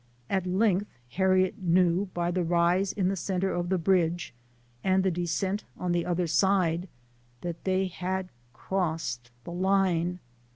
At length Har riet knew by the rise in the center of the bridge, and the descent on the other sid^ that they had crossed " the line."